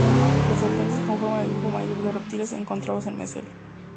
Las serpientes conforman el grupo mayor de reptiles encontrados en Messel.